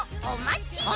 おまち！